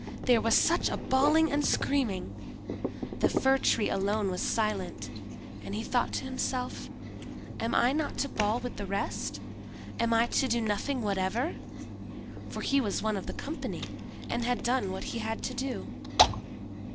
There was such a bawling and screaming!—the Fir tree alone was silent, and he thought to himself, "Am I not to bawl with the rest?—am I to do nothing whatever?" for he was one of the company, and had done what he had to do.